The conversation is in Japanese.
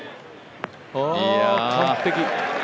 完璧。